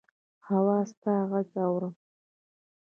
هو! ستا ږغ اورم.